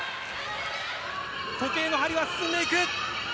時計の針は進んでいく。